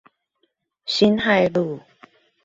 辛亥路